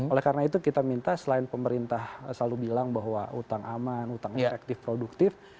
oleh karena itu kita minta selain pemerintah selalu bilang bahwa utang aman utang efektif produktif